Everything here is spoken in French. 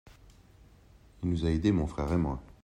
Il nous a aidés mon frère et moi.